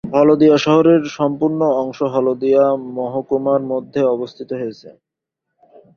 হলদিয়া শহরের সম্পূর্ণ অংশ হলদিয়া মহকুমার মধ্যে বিস্তৃত হয়েছে।